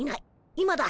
今だ。